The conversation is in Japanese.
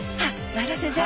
前田先生。